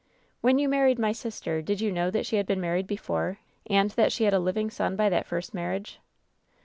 "When you married my sister, did you know that she had been married before, and that she had a living son by that first marriage